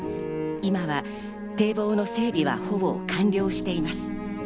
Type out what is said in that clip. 今は堤防の整備はほぼ完了しています。